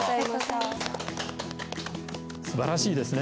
すばらしいですね。